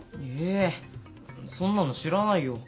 えそんなの知らないよ。